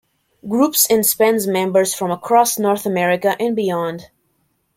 Groups and spans members from across North America and beyond.